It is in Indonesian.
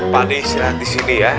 pak de istirahat disini ya